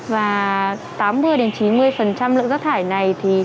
và tám mươi chín mươi lượng rác thải này